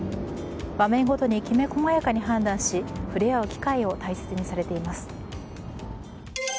場面ごとにきめ細やかに判断し触れ合う機会を大切にされています。